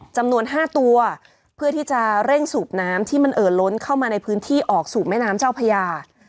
จำนวน๕ตัวเพื่อที่จะเร่งสูบน้ำที่มันเอ่อล้นเข้ามาในพื้นที่ออกสู่แม่น้ำเจ้าพญา